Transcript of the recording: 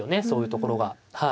そういうところが。